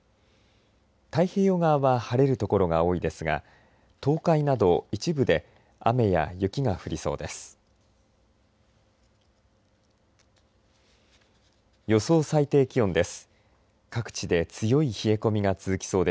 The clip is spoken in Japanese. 太平洋側は晴れる所が多いですが東海など一部で雨や雪が降りそうです。